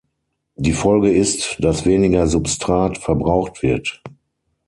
Die Folge ist, dass weniger Substrat verbraucht wird.